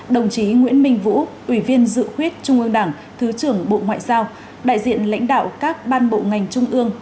đồng chí nguyễn minh vũ ubnd thứ trưởng bộ ngoại giao đại diện lãnh đạo các ban bộ ngành trung ương